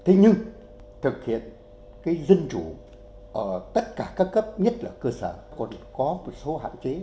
thế nhưng thực hiện cái dân chủ ở tất cả các cấp nhất là cơ sở còn có một số hạn chế